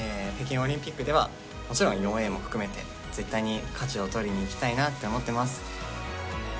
北京オリンピックでは、もちろん４Ａも含めて、絶対に勝ちを取りにいきたいなって思ってます。